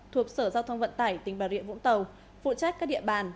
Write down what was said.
thuộc sở giao thông vận tải tỉnh bà rịa vũng tàu phụ trách các địa bàn